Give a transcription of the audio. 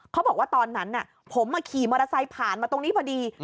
เขาบอกว่าตอนนั้นผมขี่มอเตอร์ไซค์ผ่านมาตรงนี้พอดี